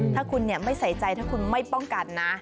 ถ้าคุณไม่ใส่ใจถ้าคุณไม่ป้องกันนะ